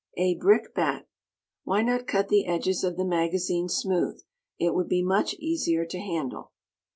A brickbat: Why not cut the edges of the magazine smooth? It would be much easier to handle.